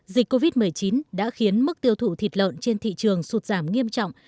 dịch covid một mươi chín đã khiến mức tiêu thụ thịt lợn trên thị trường sụt giảm nghiêm trọng